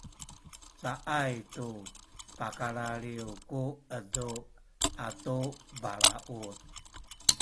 caay tu pakalaliw ku edu atu balaut